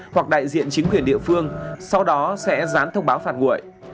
hoặc đại diện chính quyền địa phương sau đó sẽ rán thông báo phạt nguội